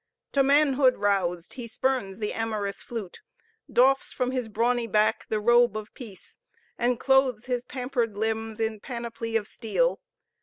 To manhood roused, he spurns the amorous flute, doffs from his brawny back the robe of peace, and clothes his pampered limbs in panoply of steel.